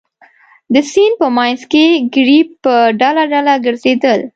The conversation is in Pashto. د سیند په منځ کې ګرېب په ډله ډله ګرځېدل.